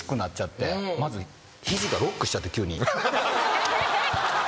まず肘がロックしちゃって急に。